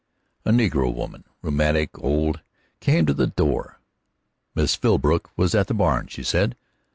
A negro woman, rheumatic, old, came to the door. Miss Philbrook was at the barn, she said.